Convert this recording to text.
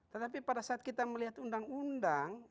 tetapi pada saat kita melihat undang undang